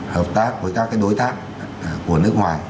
hợp tác với các đối tác của nước ngoài